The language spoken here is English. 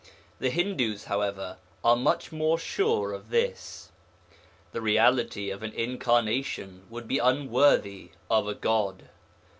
The Hindus, however, are much more sure of this. The reality of an incarnation would be unworthy of a God.